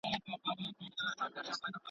زه او ته چي پیدا سوي پاچاهان یو.